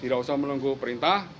kita sudah melenggu perintah